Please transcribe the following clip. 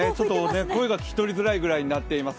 声が聞き取りづらいぐらいになっています。